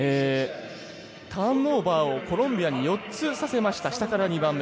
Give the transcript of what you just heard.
ターンオーバーをコロンビアに４つさせました。